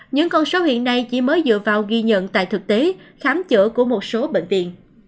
những con số hiện nay chỉ mới dựa vào ghi nhận tại thực tế khám chữa của một số bệnh viện